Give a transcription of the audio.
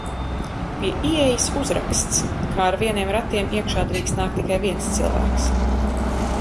Pie ieejas uzraksts, ka ar vieniem ratiem iekšā drīkst nākt tikai viens cilvēks.